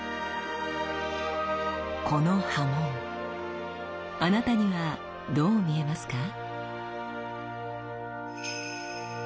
この刃文あなたにはどう見えますか？